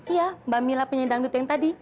iya mbak mila penyandang dut yang tadi